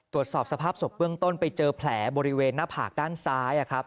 ตรวจสอบสภาพศพเบื้องต้นไปเจอแผลบริเวณหน้าผากด้านซ้าย